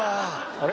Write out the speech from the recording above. あれ？